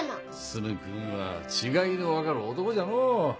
進君は違いの分かる男じゃのう。